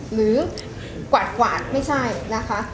หรือกวาดไม่ใช่นะคะ